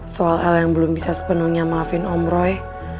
soal el yang belum bisa sepenuhnya maafin om roy